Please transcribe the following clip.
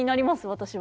私は。